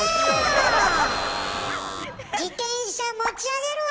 自転車持ち上げるわよ？